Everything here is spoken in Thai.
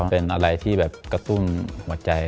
เป็นอะไรที่แบบกระตุ้นหัวใจ